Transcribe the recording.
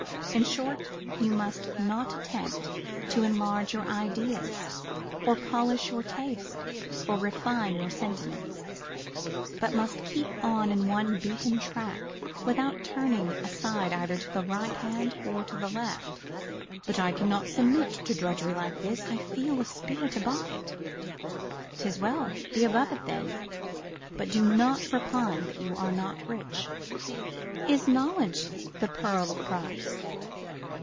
In short, you must not attempt to enlarge your ideas, or polish your taste, or refine your sentiments; but must keep on in one beaten track, without turning aside either to the right hand or to the left. "But I cannot submit to drudgery like this: I feel a spirit above it." 'Tis well: be above it then; only do not repine that you are not rich. Is knowledge the pearl of price?